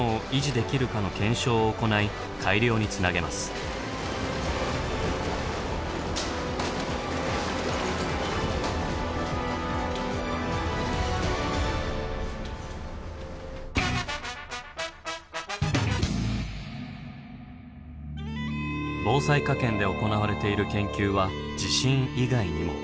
例えばこれは防災科研で行われている研究は地震以外にも。